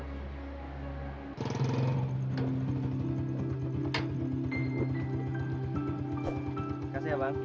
makasih ya bang